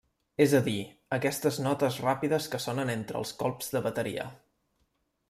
És a dir, aquestes notes ràpides que sonen entre els colps de bateria.